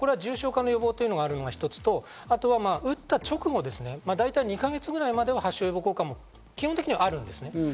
重症化予防があるのが一つと、打った直後、大体２か月ぐらいまでは発症予防効果が基本的にはあるんです。